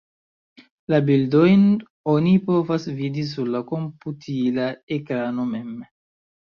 La bildojn oni povas vidi sur la komputila ekrano mem.